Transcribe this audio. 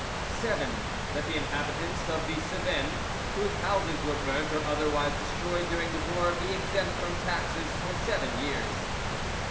"7. That the inhabitants of the Cevennes whose houses were burnt or otherwise destroyed during the war be exempt from taxes for seven years.